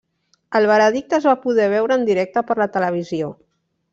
El veredicte es va poder veure en directe per la televisió.